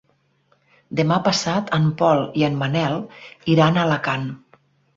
Demà passat en Pol i en Manel iran a Alacant.